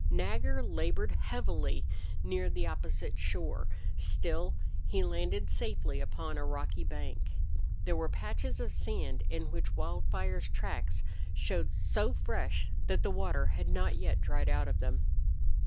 Nagger labored heavily near the opposite shore; still, he landed safely upon a rocky bank. There were patches of sand in which Wildfire's tracks showed so fresh that the water had not yet dried out of them.